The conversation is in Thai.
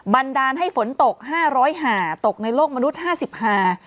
บรรดาให้ฝนตก๕๐๐หาตกในโลกมนุษย์๕๐หา